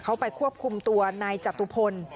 เขาไปควบคุมตัวนายจตุพล